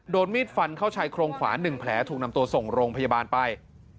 โดนมีดฟันเข้าชายโครงขวา๑แผลถูกนำตัวส่งโรงพยาบาลไป